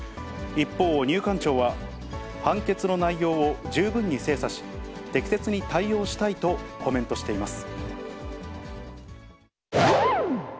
一方、入管庁は、判決の内容を十分に精査し、適切に対応したいとコメントしています。